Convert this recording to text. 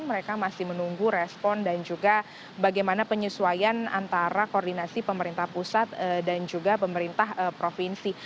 mereka masih menunggu respon dan juga bagaimana penyesuaian antara koordinasi pemerintah pusat dan juga pemerintah provinsi